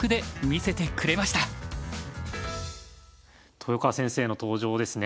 豊川先生の登場ですね。